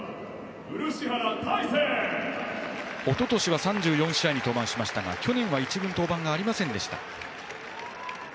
おととしは３４試合に登板しましたが去年は１軍登板がありませんでした。